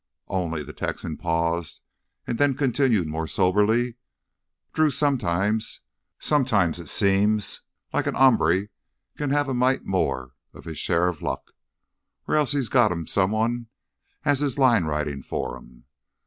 "Only," the Texan paused and then continued more soberly, "Drew, sometimes—sometimes it seems like a hombre can have a mite more'n his share of luck; or else he's got him Someone as is line ridin' for him.